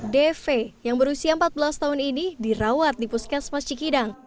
deve yang berusia empat belas tahun ini dirawat di puskes mas cikidang